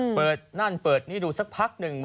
เปิดนั่นเปิดนี่ดูสักพักหนึ่ง